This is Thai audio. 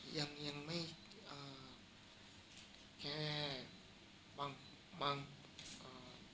ยังไม่แค่บางขา